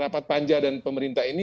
rapat panja dan pemerintah ini